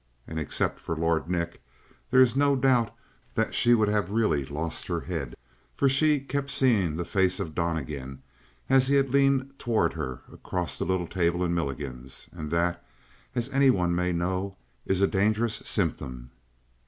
And except for Lord Nick, there is no doubt that she would have really lost her head; for she kept seeing the face of Donnegan, as he had leaned toward her across the little table in Milligan's. And that, as anyone may know, is a dangerous symptom.